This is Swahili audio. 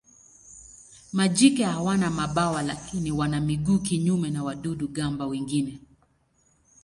Majike hawana mabawa lakini wana miguu kinyume na wadudu-gamba wengine.